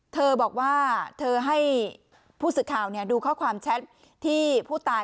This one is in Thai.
เธอบอกว่าเธอให้ผู้สื่อข่าวดูข้อความแชทที่ผู้ตาย